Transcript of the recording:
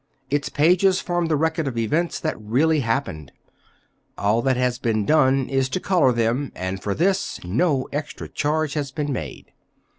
Its pages form the record of events that really happened. All that has been done is to colour them; and, for this, no extra charge has been made.